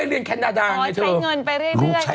คุณหมอโดนกระช่าคุณหมอโดนกระช่า